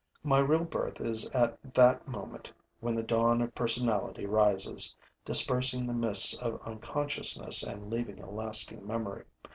My real birth is at that moment when the dawn of personality rises, dispersing the mists of unconsciousness and leaving a lasting memory.